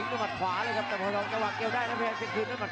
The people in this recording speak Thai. เอ้าถุกเข้ากันอีกครับรมตัว